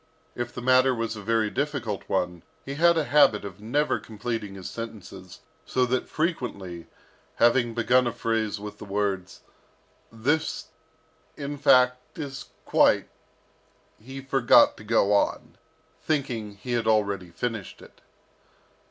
If the matter was a very difficult one, he had a habit of never completing his sentences, so that frequently, having begun a phrase with the words, "This, in fact, is quite " he forgot to go on, thinking he had already finished it.